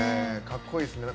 かっこいいですね。